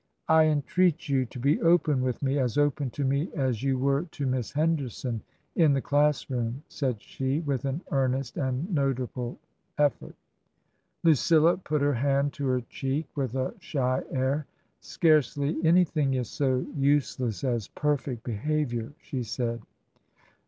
I entreat you to be open with me — as open to me as you were to Miss Henderson in the class room," said she, with an earnest and notable effort. Lucilla put her hand to her cheek with a shy air. " Scarcely anything is so useless as perfect behaviour," she said.